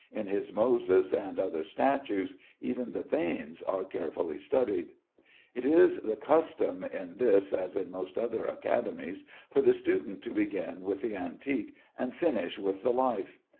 In his "Moses" and other statues even the veins are carefully studied. It is the custom, in this as in most other academies, for the student to begin with the Antique, and finish with the Life.